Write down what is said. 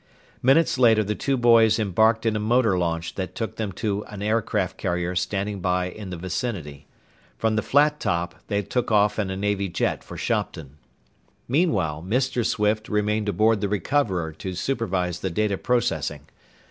Minutes later, the two boys embarked in a motor launch that took them to an aircraft carrier standing by in the vicinity. From the flattop they took off in a Navy jet for Shopton. Meanwhile, Mr. Swift remained aboard the Recoverer to supervise the data processing.